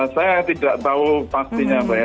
saya tidak tahu pastinya mbak ya